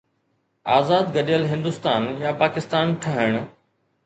آزاد گڏيل هندستان يا پاڪستان ٺهڻ؟